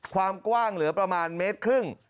ความกว้างเหลือประมาณเมตรครึ่ง